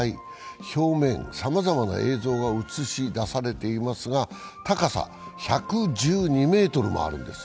表面、さまざまな映像が映し出されていますが高さ１１２ｍもあるんです。